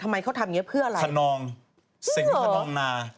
ทำอย่างนี้เพื่ออะไรทานองเสียงทานองนา